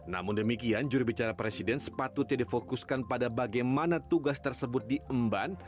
namun demikian jurubicara presiden sepatutnya difokuskan pada bagaimana tugas tersebut diemban